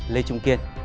lê trung kiên